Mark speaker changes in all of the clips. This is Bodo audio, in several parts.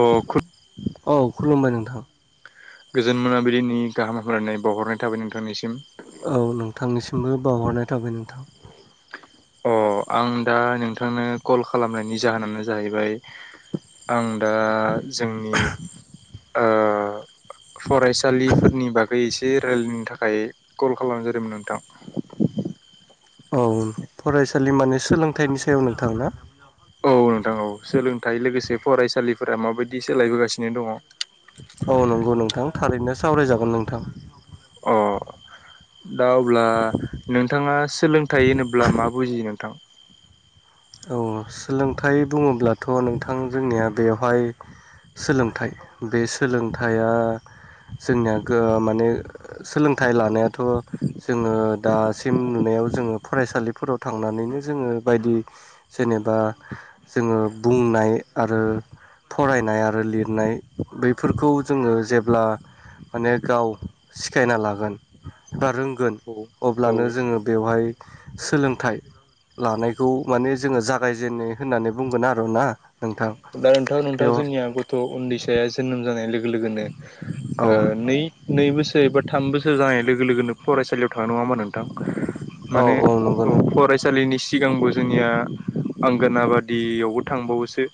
Speaker 1: अ खुब
Speaker 2: औ खुलुमबाय नोंथां
Speaker 1: गोजोन मोनाबिलिनि गाहाम हामलायनाय बावहरनाय थाबाय नोंथांनिसिम
Speaker 2: औ नोंथांनिसिमबो बावहरनाय थाबाय नोंथां
Speaker 1: अ आं दा नोंथांनो कल खालामनायनि जाहोनानो जाहैबाय आं दा जोंनि फरायसालिफोरनि बागै एसे रायलायनो थाखाय कल खालामनाय जादोंमोन नोंथां।
Speaker 2: औ फरायसालि माने सोलोंथाइनि सायाव नोंथां ना?
Speaker 1: औ नोंथां औ सोलोंथाइ लोगोसे फरायसालिफोरा माबायदि सोलायबोगासिनो दङ।
Speaker 2: औ नंगौ नोंथां थारैनो सावरायजागोन नोंथां
Speaker 1: अ दा अब्ला नोंथाङा सोलोंथाइ होनोब्ला मा बुजियो नोंथां?
Speaker 2: औ सोलोंथाइ बुङोब्लाथ' नोंथां जोंनिया बेवहाय सोलोंथाइ बे सोलोंथाइया जोंनिया माने सोलोंथाइ लानायाथ' जोङो दासिम नुनाय जोङो फरायसालिफोराव थांनानैनो जोङो बायदि जेनेबा जोङो बुंनाय आरो फरायनाय आरो लिरनाय बेैफोरखौ जोङो जेब्ला माने गाव सिखायना लागोन बा रोंगोन
Speaker 1: औ औ
Speaker 2: अब्लानो जोङो बेवहाय सोलोंथाइ लानायखौ माने जोङो जागायजेननाय होननानै बुंगोन आरो ना नोंथां
Speaker 1: दा नोंथां नोंथां
Speaker 2: बेयाव
Speaker 1: जोंनिया गथ' उन्दैसाया जोनोम जानाय लोगो लोगोनो
Speaker 2: औ
Speaker 1: ओ नै नै बोसोर एबा थाम बोसोर जानाय लो गो लोगोनो फरायसालियाव थाङो नङा होमबा मा नोंथां
Speaker 2: औ
Speaker 1: माने
Speaker 2: नंगौ
Speaker 1: औ
Speaker 2: नों
Speaker 1: फरायसालिनि सिगांबो जोंनिया आंगोनाबादियावबो थांबावोसो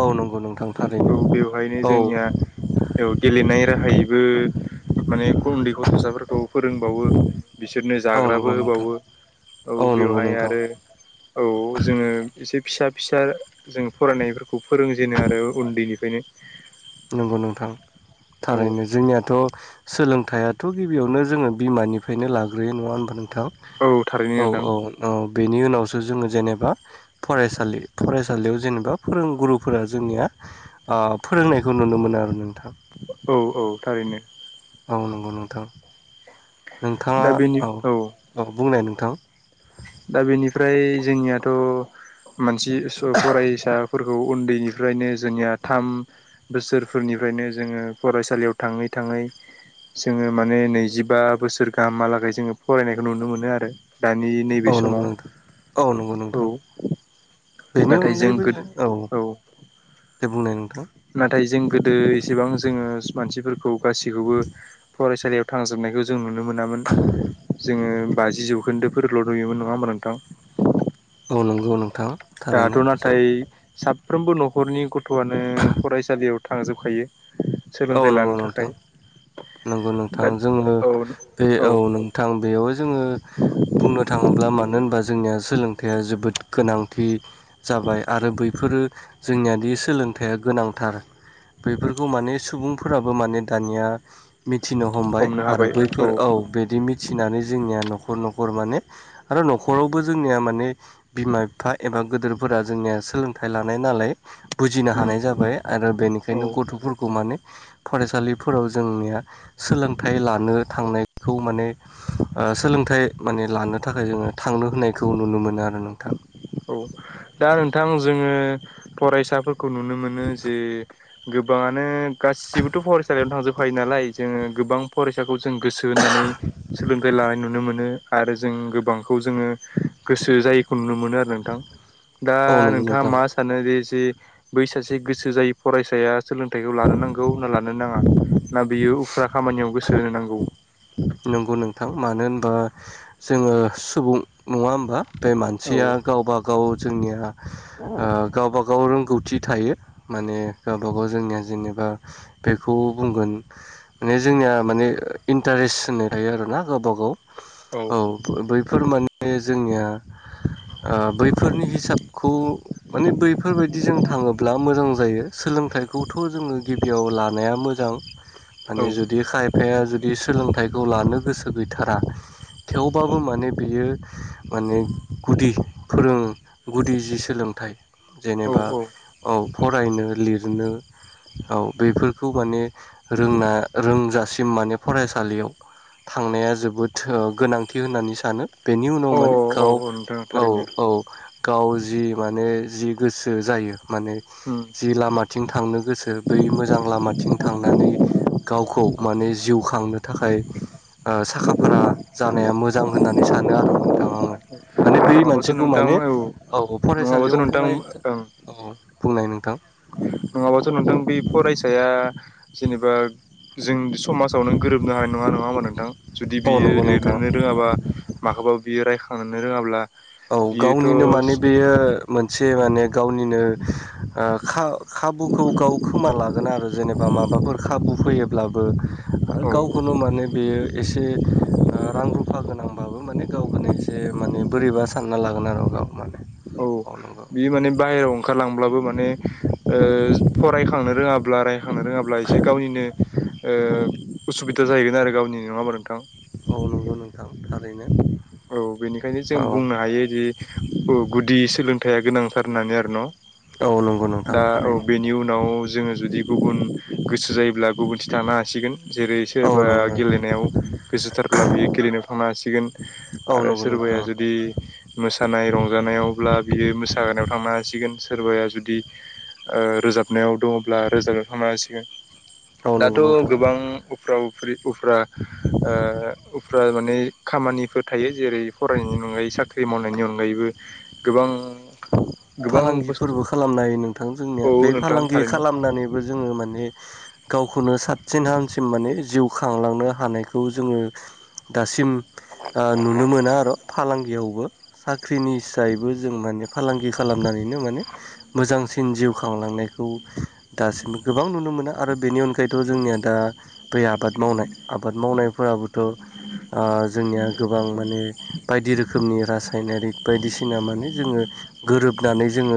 Speaker 2: औ नंगौ नोंथां
Speaker 1: औ
Speaker 2: थारैनो
Speaker 1: बेवहायनो
Speaker 2: औ
Speaker 1: जोंनिया औ गेलेनाय राहायैबो माने उन्दै गथ'साफोरखौ फोरोंबावो बिसोरनो
Speaker 2: औ
Speaker 1: जाग्राबो
Speaker 2: नंगौ नोंथां
Speaker 1: होबावो औ
Speaker 2: नंगौ
Speaker 1: बेवहाय
Speaker 2: नोंथां
Speaker 1: आरो औ जोङो एसे फिसा फिसा जों फरायनायफोरखौ फोरोंजेनो आरो उन्दैनिफ्रायनो
Speaker 2: नंगौ नोंथां
Speaker 1: औ
Speaker 2: थारैनो जोंनियाथ' सोलोंथाइयाथ' गिबियावनो जोङो बिमानिफ्रायनो लाग्रोयो नङा होनोमबा नोंथां
Speaker 1: औ थारैनो
Speaker 2: औ
Speaker 1: नोंथां
Speaker 2: औ औ बेनि उनावसो जोङो जेनेबा फरायसालि फरायसालियाव जेनेबा फोरोंगुरुफोरा जोंनिया ओ फोरोंनाय खौ नुनो मोनो आरो नों
Speaker 1: औ औ थारैनो
Speaker 2: औ नंगौ नोंथां नोंथाङा
Speaker 1: दा बेनि
Speaker 2: औ औ बुंनाय नोंथां
Speaker 1: दा बेनिफ्राय जोंनियाथ' मानसे फरायसा फोरखौ उन्दैनिफ्रायनो जोंनिया थाम बोसोरफोरनिफ्रायनो जोङो फरायसालियाव थाङै थाङै जोङो माने नैजिबा बोसोर गाहामलागै जोङो फरायनायखौ नुनो मोनो आरो दानि
Speaker 2: औ
Speaker 1: नैबे
Speaker 2: नंगौ
Speaker 1: समाव
Speaker 2: नोंथां औ नंगौ
Speaker 1: औ
Speaker 2: नोंथां बेनि
Speaker 1: नाथाय जों
Speaker 2: अनगायैबो
Speaker 1: गोदो
Speaker 2: औ दे बुंनाय नोंथां
Speaker 1: नाथाय जों गोदो एसेबां जोङो मानसिफोरखौ गासिखौबो फराय- सालियाव थांजोबनायखौ जों नुनो मोनामोन जोङो बाजि जौखोन्दोफोरल' नुयोमोन नङा होमब्ला नोंथां।
Speaker 2: औ नंगौ नोंथां
Speaker 1: दाथ'
Speaker 2: थारैनो जों
Speaker 1: नाथाय साब- फ्रोमबो न'खरनि गथ'आनो फरायसालियाव थांजोबखायो।
Speaker 2: औ
Speaker 1: सोलोंथाइ
Speaker 2: नंगौ
Speaker 1: लानो थाखाय
Speaker 2: नोंथां नंगौ नोंथां
Speaker 1: दा
Speaker 2: जोङो
Speaker 1: औ
Speaker 2: बे औ नोंथां बेयाव जोङो बुंनो थाङो- ब्ला मानो होनबा जोंनिया सोलोंथाइया जोबोद गोनांथि जाबाय आरो बैफोरो जोंनियादि सोलोंथाइया गोनांथार बेफोरखौ माने सुबुंफोराबो माने दानिया मि- थिनो हमबाय
Speaker 1: हमनो
Speaker 2: आरो
Speaker 1: हाबाय
Speaker 2: बैफोर औ बिदि मिथिनानै जोंनिया न'- नखर न'खर माने आरो न'खरावबो जोंनिया माने बिमा बिफा एबा गोदोरफोरा जोंनिया सोलोंथाइ लानाय नालाय बुजिनो
Speaker 1: उम
Speaker 2: हानाय जाबाय आरो
Speaker 1: औ
Speaker 2: बेनिखायनो गथ'फोरखौ माने फरायसालिफोराव जोंनिया सोलोंथाइ लानो थांनाय खौ माने सोलोंथाइ माने लानो थाखाय जोङो थांनो होनायखौ नुनो मोनो आरो। नोंथां
Speaker 1: औ दा नोंथां जोङो फरायसा फोर खौ नुनो मोनो जे गोबाङानो गासिबोथ' फरायसालियावनो थांजोबखायो नालाय जोङो गोबां फरायसाखौ जों गोसो होनानै सोलोंथाइ लानाय नु- नो मोनो आरो जों गोबांखौ जोङो गोसो जायैखौ नुनो मोनो आरो नोंथां दा
Speaker 2: औ नंगौ
Speaker 1: नोंथाङा
Speaker 2: नोंथां
Speaker 1: मा सानो जे जे बै सासे गोसो जायै फरायसाया सोलोंथाइखौ लानो नांगौ ना लानो नाङा? ना बियो उफुर्रा खामानियाव गोसो होनो नांगौ।
Speaker 2: नंगौ नोंथां मानो होनबा जोङो सुबुं नङा होमबा? बे
Speaker 1: औ
Speaker 2: मानसिया गावबा गाव जोंनिया
Speaker 1: औ
Speaker 2: ओ गावबा गाव रोंगौथि थायो माने गावबा गाव जोंनिया जेनेबा बेखौ बुंगोन माने जोंनि या माने इनथारेस होन्नाय थायो आरो ना गावबा गाव औ बैफोर माने जोंनिया ओ बैफोरनि हिसाबखौ माने बैफोरबायदि जों थाङोब्ला मोजां जायो। सोलोंथाइखौथ' जोङो गिबियाव लानाया मोजां माने जुदि खायफाया जुदि सोलोंथाइखौ लानो गोसो गैथारा। थेवबाबो माने बेयो माने गुदि फोरों गुदि जि सोलोंथाइ जेनेबा
Speaker 1: औ
Speaker 2: औ फरायनो लिरनो। औ बेफोरखौ माने रोंना रोंजासिम माने फरायसालियाव थांनाया जोबोद गोनांथि होननानै सानो। बेनि उनाव
Speaker 1: अ
Speaker 2: माने
Speaker 1: औ
Speaker 2: गाव
Speaker 1: औ नोंथां
Speaker 2: औ
Speaker 1: थारैनो
Speaker 2: औ गाव जि माने जि गोसो जायो। माने
Speaker 1: उम
Speaker 2: जि लामाथिं थांनो गोसो बै मोजां लामाथिं थांनानै गावखौ माने जिउ खांनो थाखाय साखा फारा जानाया मोजां होननानै सानो आरो नोंथां आङो। माने बै
Speaker 1: नङाबाथ'
Speaker 2: मानसिखौ
Speaker 1: नोंथां
Speaker 2: माने
Speaker 1: औ
Speaker 2: औ
Speaker 1: नङाबाथ'
Speaker 2: फरायसालियाव
Speaker 1: नोंथां
Speaker 2: फरायनोथां
Speaker 1: ओं
Speaker 2: औ बुंनाय नोंथां।
Speaker 1: नङाबाथ' नोंथां बे फरायसाया जेनेबा जों समाजाव नों गोरोबनो हानाय नङा नङा होमबा नोंथां जुदि
Speaker 2: औ
Speaker 1: बियो
Speaker 2: नंगौ नोंथां
Speaker 1: लिरनोनो रोङाबा माखौबा बियो रायखांनो रोङाब्ला
Speaker 2: औ
Speaker 1: बियोथ'
Speaker 2: गावनिनो माने बेयो मोनसे माने गावनिनो खाबुखौ गाव खोमाना लागोन आरो जेनेबा माबाफोर खाबु फैयोब्ला बो आरो
Speaker 1: औ
Speaker 2: गावखौनो माने बेयो एसे रां रु फा गोनांबाबो माने गावखौनो एसे माने बोरैबा सानना लागोन आरो गाव माने
Speaker 1: औ बियो माने बाहेरायाव ओंखारलांब्लाबो माने फरायखांनो रोङाब्ला ब्ला रायखांनो रोङाब्ला एसे गावनिनो उसुबिदा जाहैगोन आरो गावनि नङा ओमबा नोंथां?
Speaker 2: औ नंगौ नोंथां थारैनो
Speaker 1: औ बेनिखायनो जों
Speaker 2: औ
Speaker 1: बुंनो हायोदि गुदि सोलोंथाया गोनांथार होननानै आरो न'
Speaker 2: औ नंगौ नोंथां
Speaker 1: दा औ
Speaker 2: थारैनो
Speaker 1: बेनि उनाव जोङो जुदि गुबुन गोसो जायोब्ला गुबुनथिं थानो हासिगोन। जेरै
Speaker 2: औ
Speaker 1: सोरबा
Speaker 2: नंगौ नोंथां
Speaker 1: गेलेनायाव गोसोथारब्ला बियो गेलेनायाव थांनो हासिगोन।
Speaker 2: औ
Speaker 1: आरो
Speaker 2: नंगौ नोंथां
Speaker 1: सोरबाया जुदि मोसानाय रंजानायावब्ला बियो मोसा नायाव थांनो हासिगोन। सोरबाया जुदि रोजाबनायाव दङब्ला रोजाबनायाव थांनो हासिगोन
Speaker 2: औ
Speaker 1: दाथ'
Speaker 2: नंगौ नोंथां
Speaker 1: गोबां उफ्रा उफ्रि उफ्रा ओ उफ्रा माने खामानि फोर थायो जेरै फरायनायनि अनगायै साख्रि मावनायनि अनगायैबो गोबां गोबां बुस्थु
Speaker 2: फालांगिफोरबो खालामनो हायो नोंथां जोंनिया
Speaker 1: औ
Speaker 2: बे
Speaker 1: नोंथां
Speaker 2: फालांगि
Speaker 1: थारैनो
Speaker 2: खालामनानैबो जोङो माने गावखौनो साबसिन हामसिम माने जिउ खांलांनो हानायखौ जोङो दासिम नुनो मोना आरो फालांगियावबो साख्रिनि हिसायैबो जों माने फालांगिखौ खालामनानैनो माने मोजांसिन जिउ खांलांनायखौ दासिम गोबां नुनो मोनो आरो। बेनि अनगायैथ' जोंनिया दा बै आबाद मावनाय आबाद मावनायफोराबोथ' ओ जोंनिया गोबां माने बायदि रोखोमनि रासायनारिक बायदिसिना माने जोङो गोरोबनानै जोङो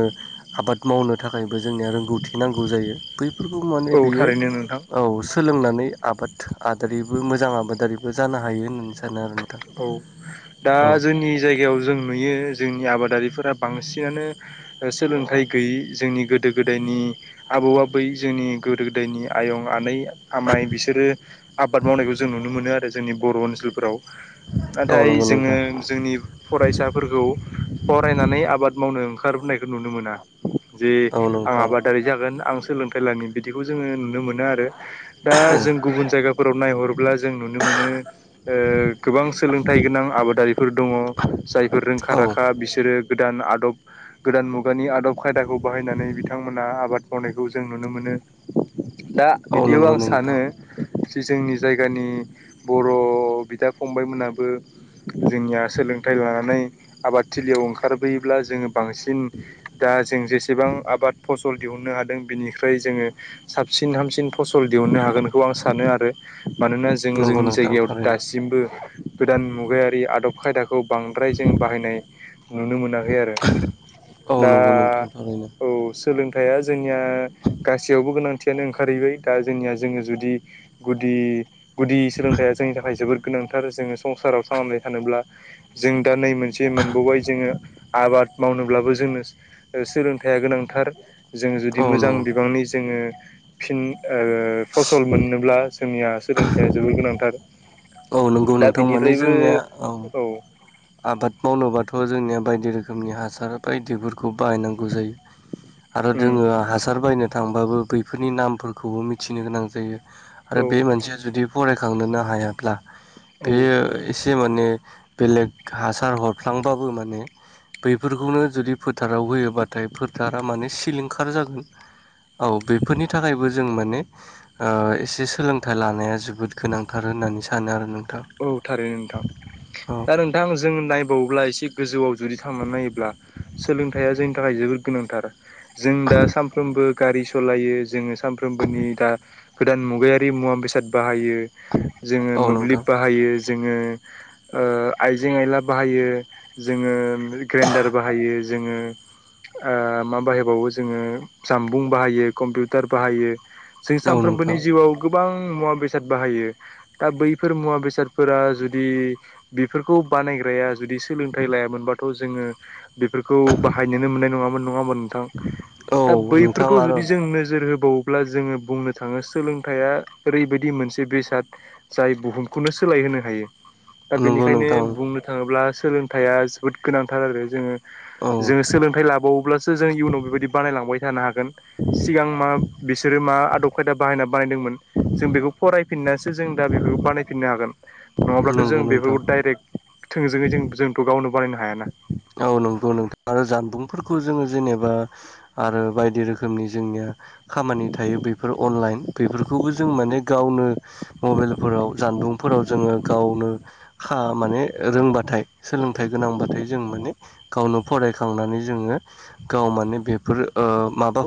Speaker 2: आबाद मावनो थाखायबो जोंनिया रोंगौथि नांगौ जायो बै बेफोरखौ माने
Speaker 1: औ
Speaker 2: बियो
Speaker 1: थारैनो नोंथां
Speaker 2: औ सोलोंनानै आबाद आबारिबो मोजां आबादारिबो जानो हायो होननानै सानो आरोना।
Speaker 1: औ दा जोंनि जायगायाव जों नुयो जोंनि आबादारिफोर बांसिनानो सोलोंथाइ गैयि जोंनि गोदो गोदायनि आबौ आबै जोंनि गोदो गोदायनि आयं आनै आमाइ बिसोरो आबाद मावनायखौ जों नुनो मोनो आरो जोंनि बर' ओनसोलफोराव
Speaker 2: औ
Speaker 1: नाथाय
Speaker 2: नंगौ
Speaker 1: जोङो
Speaker 2: नोंथां
Speaker 1: जोंनि फरायसाफोरखौ फरायनानै आबाद मावनो ओंखारनायखौ नुनो मोना जे
Speaker 2: औ
Speaker 1: आं
Speaker 2: नोंथां
Speaker 1: आबादारि जागोन आं सोलोंथाइ लनि बिदिखौ जोङो नुनो मोनो आरो दा जों गुबुन जायगा फोराव नायहरब्ला जों नुनो मोनो ओ गोबां सोलोंथाइ गोनां आबादारिफोर दङ जायफोर रोंखा
Speaker 2: औ
Speaker 1: राखा बिसोरो गोदान आदब गोदान मुगानि आदब खायदाखौ बाहायनानै बिथांमोनहा आबाद मावनायखौ जों नुनो मोनो। दा
Speaker 2: औ
Speaker 1: बिदियाव
Speaker 2: नंगौ
Speaker 1: आं सानो
Speaker 2: नोंथां
Speaker 1: जि जोंनि जायगानि बर' बिदाब फंबाय मोनाबो जोंनिया सोलोंथाइ लानानै आबादथिलियाव ओंखारबोयोब्ला जोङो बांसिन दा जों जेसेबां आबाद फसल दिहुननो हादों बिनिफ्राय जोङो साबसिन हामसिन फसल दिहुननो हागोनखौ आं सानो आरो। मानोना जोङो
Speaker 2: नंगौ
Speaker 1: जोंनि
Speaker 2: नोंथां
Speaker 1: जायगायाव
Speaker 2: थारैनो
Speaker 1: दासिमबो गोदान मुगायारि आदब खायदा खौ बांद्राय जों बाहायनाय नुनो मोनाखै आरो।
Speaker 2: औ
Speaker 1: दा
Speaker 2: नंगौ नोंथां थारैनो
Speaker 1: औ सोलों थाया जोंनिया गासैयावबो गोनांथियानो ओंखारहैबाय दा जोंनिया जोङो जुदि गुदि गुदि सोलोंथाया जोंनि थाखाय जोबोद गोनांथार जोङो संसाराव थांनानै थानोब्ला जों दा नै मोनसे मोनबावबाय जोङो आबाद मावनोब्लाबो जोंनो सोलोंथाइ दे‌ गोनांथार जोंङो जुदि
Speaker 2: औ
Speaker 1: मोजां
Speaker 2: नंगौ
Speaker 1: बिबाङै जोङो फिन ओ फसल मोननोब्ला जोंनिया सोलोंथाइया जोबोर गोनांथार
Speaker 2: औ नंगौ
Speaker 1: दा
Speaker 2: नोंथां माने
Speaker 1: बिनिफ्रायबो
Speaker 2: जोंनिया औ आबाद मावनोबाथ' जोंनिया बायदि रोखोमनि हासार बायदिफोरखौ बाहायनांगौ जायो। आरो
Speaker 1: उम
Speaker 2: जोङो हासार बायनो थांबाबो बैफोरनि नामफोरखौबो मिथिनो गोनां जायो। आरो
Speaker 1: औ
Speaker 2: बे मोनसेया जुदि फरायखांनोनो हायाब्ला
Speaker 1: औ
Speaker 2: बेयो एसे माने बेलेग हासार हरफ्लांबाबो माने बैफोरखौनो जुदि फोथाराव फोथाराव होयोबाथाय फोथारा माने सिलिंखार जागोन औ बेफोरनि थाखायबो जों माने ओ एसे सोलोंथाइ लानाया जोबोद गोनांथार। होननानै सानो आरो नों
Speaker 1: औ थारै नोंथां दा नोंथां जोङ नायबावोब्ला एसे गोजौआव जुदि थांनानै नायोब्ला सोलोंथाइया जोंनि थाखाय जोबोद गोनांथार। जों दा सानफ्रोमबो गारि सालायो जोङो सानफ्रोमबोनि दा गोदान मुगायारि मुवा बेसाद बाहायो। जोङो
Speaker 2: औ नोंथां
Speaker 1: मोब्लिब बाहायो जोङो ओ आइजें आयला बाहायो जोङो ग्रेन्डार बाहायो। जोङो ओ मा बाहायबावो जोङो जामबुं बाहायो कम्पिउटार बाहायो। जों
Speaker 2: औ नोंथां
Speaker 1: सानफ्रोमबोनि जिउआव गोबां मुवा बेसाद बाहायो दा बै फोर मुवा बेसादफोरा जुदि बेफोरखौ बानायग्राया जुदि सोलोंथाइ लायामोनबाथ' जोङो बेफोरखौ बाहायनोनो मोननाय नङामोन नङामोन नोंथां दा
Speaker 2: औ नोंथां
Speaker 1: बैफोरखौ
Speaker 2: आरो
Speaker 1: जुदि जों नोजोर होबावो अब्ला जोङो बुंनो थाङो सोलोंथाइया ओरैबायदि मोनसे बेसाद जाय बुहुमखौनो सोलायहोनो हायो दा
Speaker 2: नंगौ
Speaker 1: बेनिखायनो
Speaker 2: नोंथां
Speaker 1: बुंनो थाङोब्ला सोलोंथाइआ जोबोद गोनांथार आरो जोङो
Speaker 2: औ
Speaker 1: जोङो सोलोंथाइ लाबावोब्ला जों इयुनाव बेबायदि बानायलांबाय थानो हागोन सिगां मा बिसोरो मा आदब खायदा बाहायना बानायदोंमोन जों बेखौ फरायफिननानैसो जों दा बे बानायफिननो हागोन नङाब्लाथ' जों
Speaker 2: नंगौ नोंथां
Speaker 1: बेफोरखौ डाइरेक्ट थोंजोङै जों जोंथ' गावनो बानायनो हायाना
Speaker 2: औ नंगौ नोंथां आरो जानबुंफोरखौ जोङो जेनेबा आरो बायदि रोखोमनि जोंनि खामानि थायो बेफोर अनलाइन बेफोरखौबो जों माने गावनो मबाइलफोराव ज सान्दुंफोराव जोङो गावनो मान रोंबाथाय सोलोंथाइ गोनां थार जों माने गावनो फरायखांनानै जोङो गाव माने बेफोर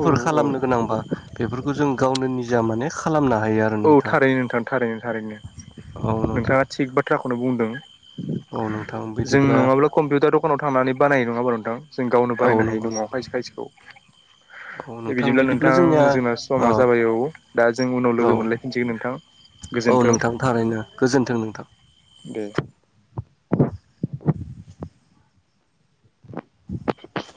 Speaker 1: औ
Speaker 2: खालामनो गोनांबा बेफोरखौ जों गावनो निजा माने खालामना
Speaker 1: औ थारैनो नोंथां थारैनो थारैनो
Speaker 2: औ नोंथां
Speaker 1: नोंथाङा थिग बाथ्राखौनो बुंदों
Speaker 2: औ नोंथां
Speaker 1: जों
Speaker 2: बिदिब्ला
Speaker 1: नङाब्ला कम्पिउटार दखानाव थांनानै बानाय नङाबोला नोंथां जों गावनो
Speaker 2: औ
Speaker 1: बानायनो हायि
Speaker 2: नंगौ
Speaker 1: नङआव
Speaker 2: नोंथां
Speaker 1: खायसे खायसेखौ द बिदिब्ला नोंथां जोंना
Speaker 2: औ
Speaker 1: समा जाबाय औ दा जों उनाव
Speaker 2: औ
Speaker 1: लोगो मोनगोन मोननलायफिनसै नोंथां
Speaker 2: औ
Speaker 1: गोजोन्थों
Speaker 2: नोंथां थारैनो गोजोन्थों नोंथां।
Speaker 1: दे
Speaker 2: [inaudible]